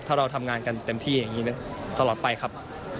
ถ้าเราทำงานกันเต็มที่อย่างนี้นะตลอดไปครับ